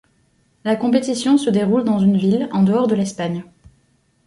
La compétition se déroule dans une ville en dehors de l'Espagne.